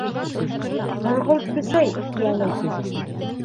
«Һорғолт бесәй», йәнәһе.